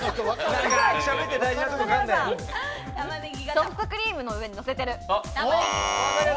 ソフトクリームの上にのせてる。